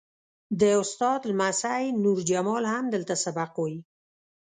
د استاد لمسی نور جمال هم دلته سبق وایي.